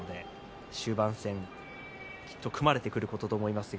終盤戦、きっと組まれてくることと思います。